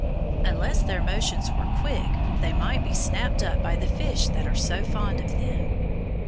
Unless their motions were quick they might be snapped up by the fish that are so fond of them.